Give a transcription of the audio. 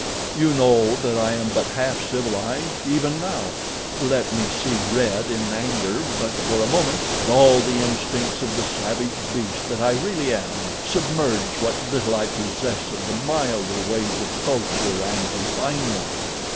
You know that I am but half civilized even now. Let me see red in anger but for a moment, and all the instincts of the savage beast that I really am, submerge what little I possess of the milder ways of culture and refinement.